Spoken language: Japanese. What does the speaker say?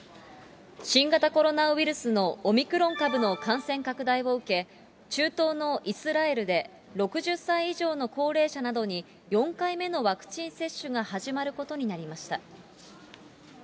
新型コロナウイルスのオミクロン株の感染拡大を受け、中東のイスラエルで、６０歳以上の高齢者などに、４回目のワクチン接種が始まることになりました。